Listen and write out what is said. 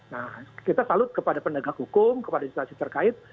nah kita salut kepada pendagang hukum kepada situasi terkait